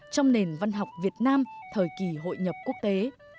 trong nền văn học việt nam thời kỳ hội nhập quốc tế